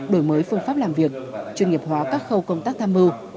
đổi mới phương pháp làm việc chuyên nghiệp hóa các khâu công tác tham mưu